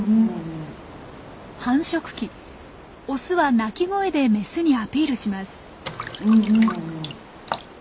繁殖期オスは鳴き声でメスにアピールします。